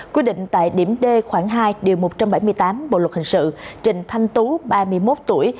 quy định tại điểm d khoảng hai điều một trăm bảy mươi tám bộ luật hình sự trình thanh tú ba mươi một tuổi